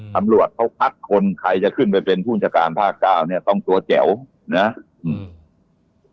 สำรวจเขาพักกับคนดูว่าถ้าใครจะไปเป็นผู้จัดการภาค๙เนี่ยต้องรู้ว่าเราเจ๋านะ